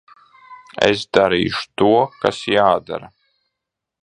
Es darīšu to, kas jādara.